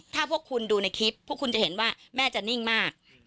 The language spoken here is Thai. ถ้าพวกคุณดูในคลิปพวกคุณจะเห็นว่าแม่จะนิ่งมาก